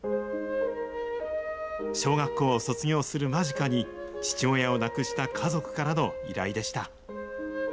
小学校を卒業する間近に父親を亡くした家族からの依頼でした。